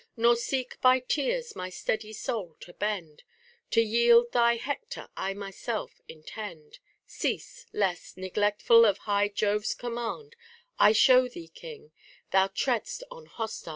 Nor seek by tears my steady soul to bend : To yield thy Hector I myself intend : Cease ; lest, neglectful of high Jove's command, I show thee, king, thou tread'st on hostile land ;* 11.